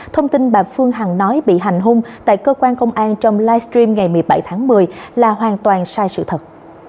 thông tin bà phương hằng nói bị hành hung tại cơ quan công an trong livestream ngày một mươi bảy tháng một mươi là hoàn toàn sai sự thật